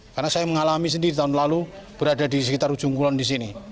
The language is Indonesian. karena saya mengalami sendiri tahun lalu berada di sekitar ujung kulon di sini